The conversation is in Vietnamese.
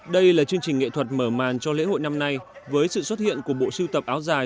đây là chương trình nghệ thuật mở màn cho lễ hội năm nay với sự xuất hiện của bộ siêu tập áo dài